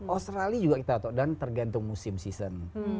australia juga kita atau dan tergantung musim season